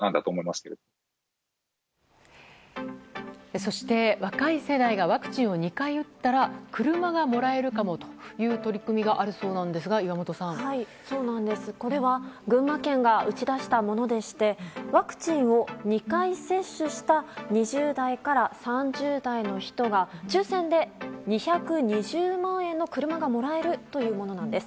そして、若い世代がワクチンを２回打ったら車がもらえるかもという取り組みがあるそうなんですがこれは群馬県が打ち出したものでしてワクチンを２回接種した２０代から３０代の人が抽選で２２０万円の車がもらえるというものなんです。